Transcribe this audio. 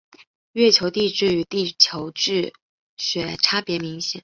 月球地质与地球地质学差别明显。